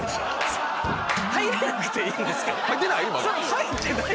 入ってない？